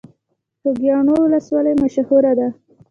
خوږیاڼیو ولسوالۍ مشهوره ده؟